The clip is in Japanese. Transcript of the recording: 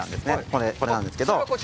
これなんですけど。